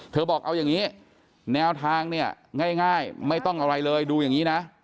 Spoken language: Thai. บอกเอาอย่างนี้แนวทางเนี่ยง่ายไม่ต้องอะไรเลยดูอย่างนี้นะ